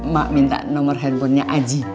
mak minta nomor handphonenya aji